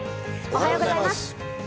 おはようございます。